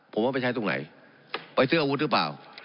ผมว่าไปใช้ตรงไหนไปซื้ออาวุธหรือเปล่า